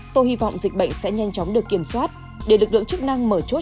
tôi hy vọng dịch bệnh sẽ nhanh chóng được kiểm soát để lực lượng chức năng mở chốt